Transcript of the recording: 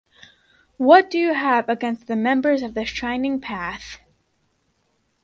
What do you have against the members of the Shining Path?